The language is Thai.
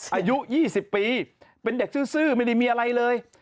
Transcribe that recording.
อายุ๒๐ปีเป็นเด็กซื่อไม่ได้มีอะไรเลย